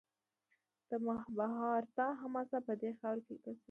د مهابهاراتا حماسه په دې خاوره کې لیکل شوې.